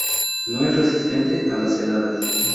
No es resistente a las heladas.